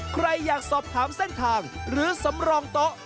ใครอยากสอบถามเส้นทางหรือสำรองโต๊ะ